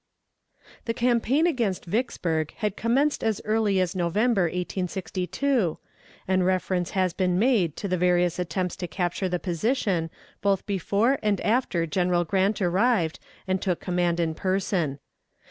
The campaign against Vicksburg had commenced as early as November, 1862, and reference has been made to the various attempts to capture the position both before and after General Grant arrived and took command in person.